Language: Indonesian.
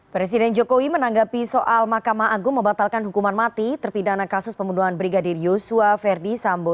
presiden jokowi menanggapi soal mahkamah agung membatalkan hukuman mati terpidana kasus pembunuhan brigadir yosua verdi sambo